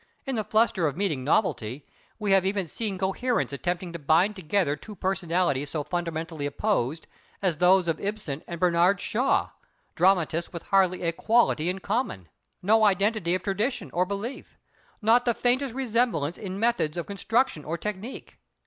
In the fluster of meeting novelty, we have even seen coherence attempting to bind together two personalities so fundamentally opposed as those of Ibsen and Bernard Shaw dramatists with hardly a quality in common; no identity of tradition, or belief; not the faintest resemblance in methods of construction or technique.